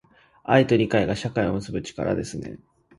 愛と理解が、社会を結ぶ力ですね。